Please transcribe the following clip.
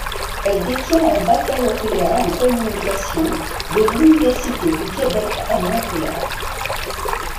Elle détient un baccalauréat en communication de l'Université du Québec à Montréal.